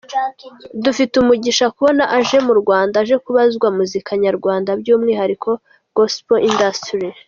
Dufite umugisha kubona aje mu Rwanda aje kubwa muzika nyarwanda by'umwihariko Gospel industry.